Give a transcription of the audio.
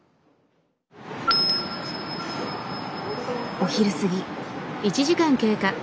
お昼過ぎ。